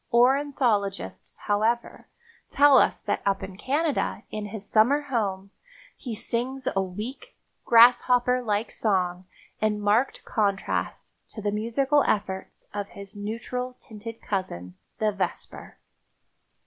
Ornithologists, however, tell us that up in Canada in his summer home he sings a weak, grasshopper like song in marked contrast to the musical efforts of his neutral tinted cousin, the vesper.